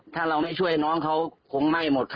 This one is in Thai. ถ้าเราไม่ช่วยน้องเขาคงไหม้หมด